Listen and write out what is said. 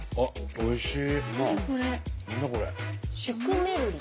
おいしい。